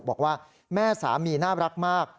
บอกว่าแม่สามีน่ารักมาก